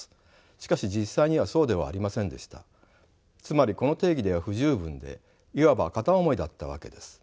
しかし実際にはそうではありませんでした。つまりこの定義では不十分でいわば片思いだったわけです。